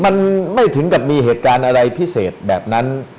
มันไม่ถึงกับมีเหตุการณ์อะไรพิเศษแบบนั้น